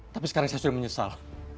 tapi sekarang saya sudah menyesal